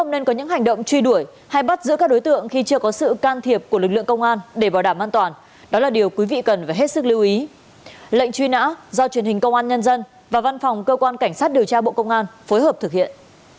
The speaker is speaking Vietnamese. lệnh truy nã do truyền hình công an nhân dân và văn phòng cơ quan cảnh sát điều tra bộ công an phối hợp thực hiện